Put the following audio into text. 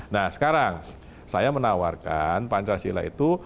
nah sekarang saya menawarkan pancasila itu